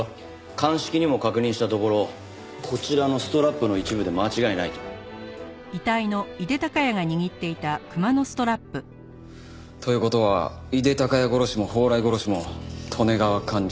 鑑識にも確認したところこちらのストラップの一部で間違いないと。という事は井手孝也殺しも宝来殺しも利根川寛二が？